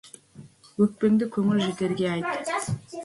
Өкпеңді көңіл жетерге айт.